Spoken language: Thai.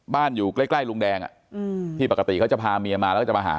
บ้านอยู่ใกล้ใกล้ลุงแดงอะอืมที่ปกติเขาจะพาเมียมาแล้วก็จะมาหา